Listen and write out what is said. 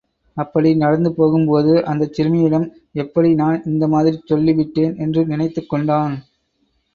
அப்படி நடந்து போகும்போது அந்தச் சிறுமியிடம் எப்படி நான் இந்த மாதிரிச் சொல்லி விட்டேன் என்று நினைத்துக் கொண்டான்.